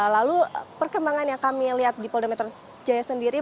lalu perkembangan yang kami lihat di polda metro jaya sendiri